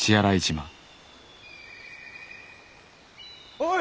おい！